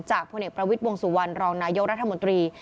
จากผู้เน็ตประวิดบวงสุวรรณรองนายโยครัฐมนตรี